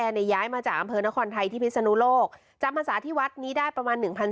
หน่อยเดี๋ยวผมเพื่อนหน่อยเดี๋ยวอืมผมก็ได้แปลเลยว่ะแปลรับหน่อยครับ